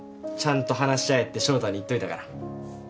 ちゃんと話し合えって翔太に言っといたから。